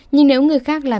nhưng nếu người khác làm gì